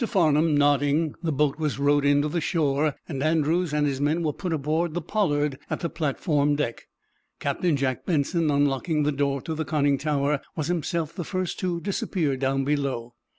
Farnum nodding, the boat was rowed in to the shore and Andrews and his men were put aboard the "Pollard" at the platform deck. Captain Jack Benson unlocking the door to the conning tower, was himself the first to disappear down below.